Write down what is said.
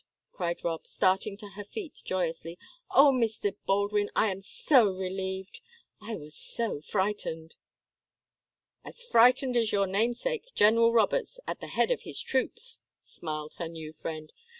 cried Rob, starting to her feet, joyously. "Oh, Mr. Baldwin, I am so relieved I was so frightened!" "As frightened as your namesake, General Roberts, at the head of his troops," smiled her new friend.